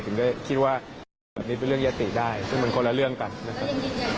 ถึงได้คิดว่าเรื่องแบบนี้เป็นเรื่องยติได้ซึ่งมันคนละเรื่องกันนะครับ